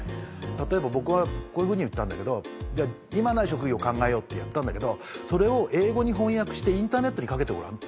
例えば僕はこういうふうに言ったんだけど「今ない職業を考えようってやったんだけどそれを英語に翻訳してインターネットにかけてごらん。